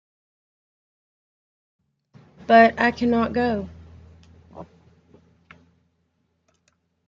But I cannot go.